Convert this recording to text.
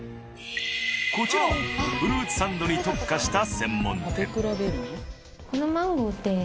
こちらもフルーツサンドに特化した専門店。